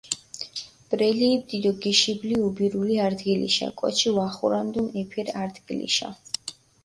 ბრელი იბდი დო გიშებლი უბირული არდგილიშა, კოჩი ვახორანდჷნ ეფერ არდგილიშა.